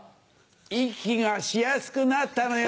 息がしやすくなったのよ。